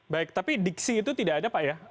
baik tapi diksi itu tidak ada pak ya